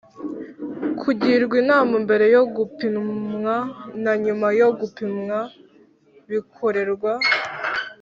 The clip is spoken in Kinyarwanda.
kugirwa inama mbere yo gupimwa na nyuma yo gupimwa bikorerwa